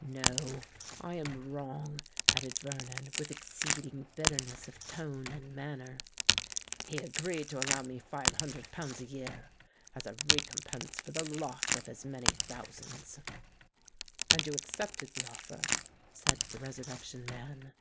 No—I am wrong," added Vernon, with exceeding bitterness of tone and manner; "he agreed to allow me five hundred pounds a year, as a recompense for the loss of as many thousands!" "And you accepted the offer?" said the Resurrection Man.